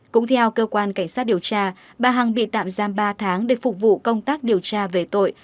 cũng theo cơ quan cảnh sát điều tra bà hằng bị tạm giam ba tháng để phục vụ công tác điều tra về tội